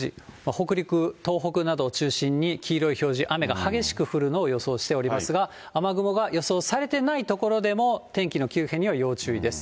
北陸、東北などを中心に黄色い表示、雨が激しく降るのを予想しておりますが、雨雲が予想されてない所でも天気の急変には要注意です。